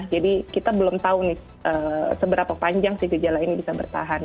jadi kita belum tahu nih seberapa panjang sih gejala ini bisa bertahan